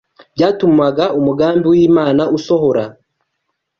byatumaga umugambi w’Imana usohora